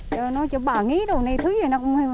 cho nó cho bảo nghĩ đồ này thứ gì nó không có